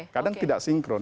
kadang tidak sinkron